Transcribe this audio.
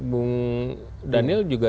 bung daniel juga